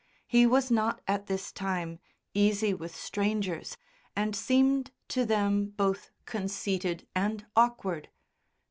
He was not, at this time, easy with strangers and seemed to them both conceited and awkward.